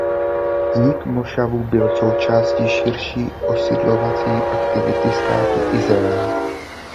Vznik mošavu byl součástí širší osidlovací aktivity státu Izrael.